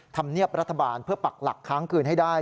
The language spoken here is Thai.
ธรรมเนียบรัฐบาลเพื่อปักหลักค้างคืนให้ได้